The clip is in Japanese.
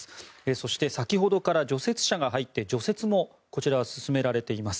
そして、先ほどから除雪車が入って除雪も進められています。